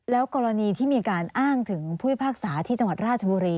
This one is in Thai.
แล้วกรณีที่มีการอ้างถึงผู้พิพากษาที่จังหวัดราชบุรี